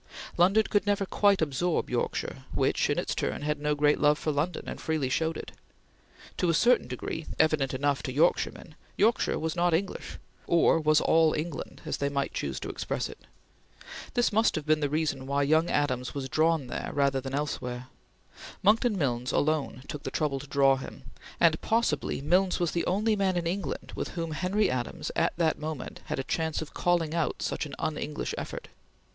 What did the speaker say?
London could never quite absorb Yorkshire, which, in its turn had no great love for London and freely showed it. To a certain degree, evident enough to Yorkshiremen, Yorkshire was not English or was all England, as they might choose to express it. This must have been the reason why young Adams was drawn there rather than elsewhere. Monckton Milnes alone took the trouble to draw him, and possibly Milnes was the only man in England with whom Henry Adams, at that moment, had a chance of calling out such an un English effort.